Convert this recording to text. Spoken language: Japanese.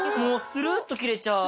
スルっと切れちゃう。